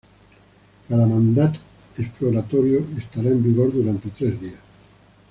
Cada mandato exploratorio estará en vigor durante tres días.